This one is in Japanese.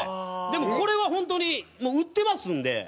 でもこれは本当にもう売ってますんで。